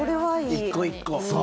１個１個。